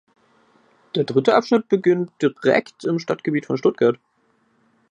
Der dritte Abschnitt beginnt direkt im Stadtgebiet von Stuttgart.